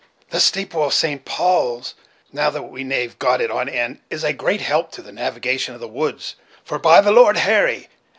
The steeple of St. Paul's, now that we have got it on end, is a great help to the navigation of the woods, for, by the Lord Harry!